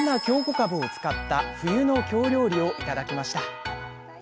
かぶを使った冬の京料理を頂きました。